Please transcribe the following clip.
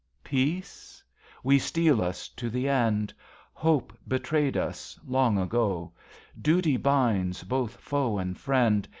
Peace ? We steel us to the end. Hope betrayed us, long ago. Duty binds both foe and friend.